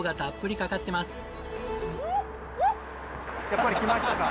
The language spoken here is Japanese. やっぱりきましたか。